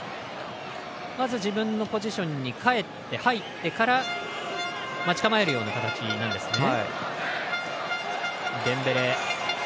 自分のポジションに帰って入ってから待ち受けるような形なんですね。